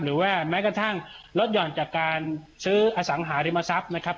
หรือว่าแม้กระทั่งลดหย่อนจากการซื้ออสังหาริมทรัพย์นะครับ